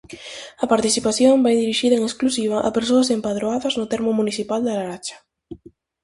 A participación vai dirixida en exclusiva a persoas empadroadas no termo municipal da Laracha.